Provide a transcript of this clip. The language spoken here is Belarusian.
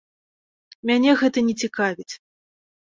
Мяне гэта не цікавіць.